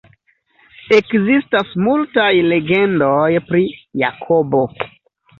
Ekzistas multaj legendoj pri Jakobo.